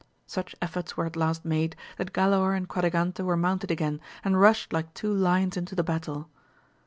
Such efforts were at last made, that Galaor and Quadragante were mounted again, and rushed like two Hons into the battle.